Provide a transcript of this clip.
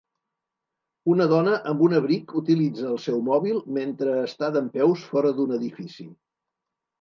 Una dona amb un abric utilitza el seu mòbil mentre està dempeus fora d"un edifici.